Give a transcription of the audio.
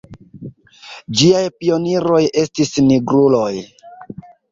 Ĝiaj pioniroj estis nigruloj.